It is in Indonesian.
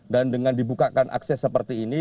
dan dengan dibukakan akses seperti ini